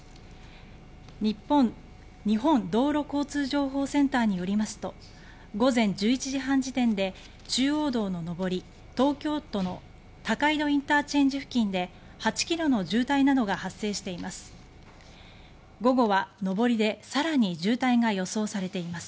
日本道路交通情報センターによりますと午前１１時半時点で中央道の上り東京都の高井戸ＩＣ付近で８ｋｍの渋滞などが発生しています。